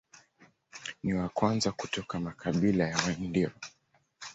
Ni wa kwanza kutoka makabila ya Waindio.